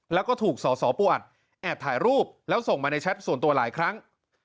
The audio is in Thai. แล้วก็ถูกสอสอปูอัดแอบถ่ายรูปแล้วส่งมาในแชทส่วนตัวหลายครั้ง